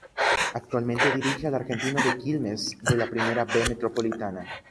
Actualmente dirige al Argentino de Quilmes de la Primera B Metropolitana.